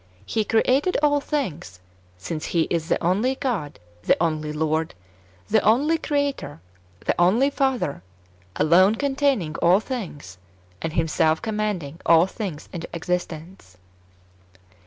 He created all things, since He is the only God, the only Lord, the only Creator, the only Father, alone containing all things, and Himself commanding all things into existence.